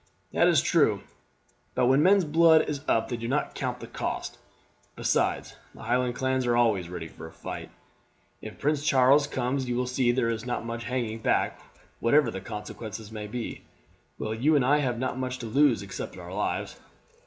"That is true, but when men's blood is up they do not count the cost; besides, the Highland clans are always ready to fight. If Prince Charles comes you will see there will not be much hanging back whatever the consequences may be. Well, you and I have not much to lose, except our lives."